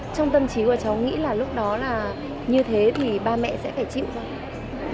trong tâm trí của cháu nghĩ là lúc đó là như thế thì ba mẹ sẽ phải chịu thôi